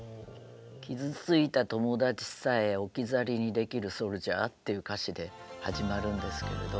「傷ついた友達さえ置き去りにできるソルジャー」っていう歌詞で始まるんですけれど。